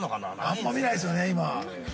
◆あんま見ないですよね、今。